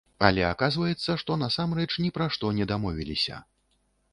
Але аказваецца, што насамрэч ні пра што не дамовіліся.